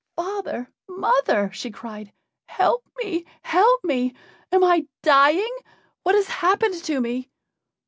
"Father! mother!" she cried, "help me! help me! Am I dying? What has happened to me?"